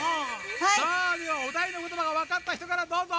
さあではおだいのことばがわかったひとからどうぞ！